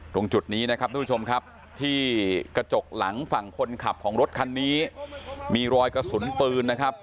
ตรงจุดนี้นะครับทุกผู้ชมครับที่กระจกหลังฝั่งคนขับของรถคันนี้มีรอยกระสุนปืนนะครับ